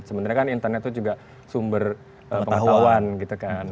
sebenarnya kan internet itu juga sumber pengetahuan gitu kan